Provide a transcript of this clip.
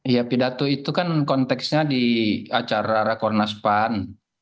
ya pidato itu kan konteksnya di acara rakornas pan